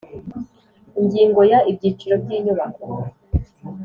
Ingingo ya Ibyiciro by inyubako